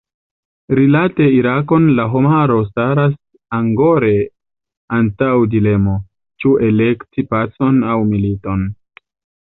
Rilate Irakon la homaro staras angore antaŭ dilemo, ĉu elekti pacon aŭ militon.